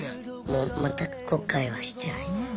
もう全く後悔はしてないです。